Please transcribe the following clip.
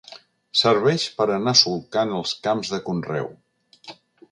Serveix per anar solcant els camps de conreu.